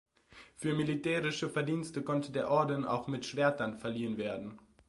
Für militärische Verdienste konnte der Orden auch mit Schwertern verliehen werden.